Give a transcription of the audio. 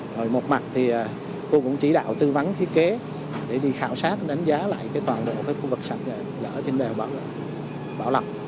rồi một mặt thì cô cũng chỉ đạo tư vấn thiết kế để đi khảo sát đánh giá lại toàn bộ cái khu vực sạch dở trên đèo bảo lộc